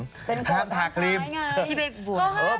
แค่เป็นคนทางซ้ายไงที่เป็นบทครีม